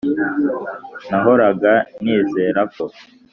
nahoraga nizera ko.